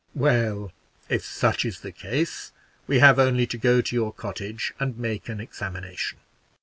"Well, if such is the case, we have only to go to your cottage and make an examination.